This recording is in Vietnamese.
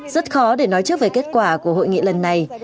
rất khó để nói trước về kết quả của hội nghị lần này